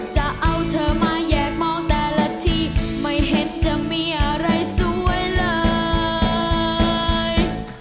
จะเอาเธอมาแยกมองแต่ละทีไม่เห็นจะมีอะไรสวยเลย